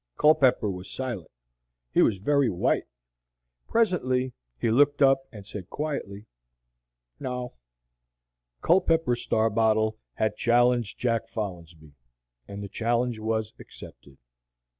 Culpepper was silent. He was very white. Presently he looked up and said quietly. "No." Culpepper Starbottle had challenged Jack Folinsbee, and the challenge was accepted.